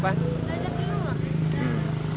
belajar di rumah